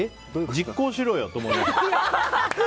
実行しろよと思いました。